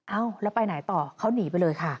เอ้าแล้วไปไหนต่อเขาหนีไปเลยค่ะ